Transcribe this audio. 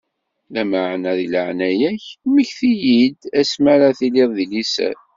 Lameɛna, di leɛnaya-k, mmekti-yi-d ass mi ara tiliḍ di liser.